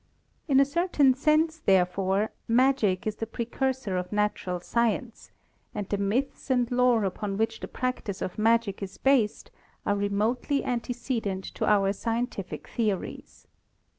In a certain sense, therefore, magic is the precursor of natural science, and the myths and lore upon which the practice of magic is based are remotely ante cedent to our scientific theories.